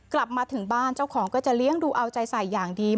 กลับมาถึงบ้านเจ้าของก็จะเลี้ยงดูเอาใจใส่อย่างดี